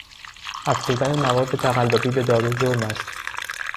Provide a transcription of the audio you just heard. افزودن مواد تقلبی به دارو جرم است.